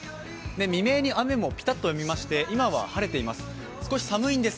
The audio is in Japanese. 未明に雨もぴたっとやみまして、今は晴れています。